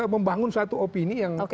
membangun satu opini yang